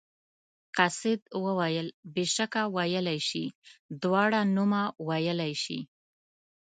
قاصد وویل بېشکه ویلی شي دواړه نومه ویلی شي.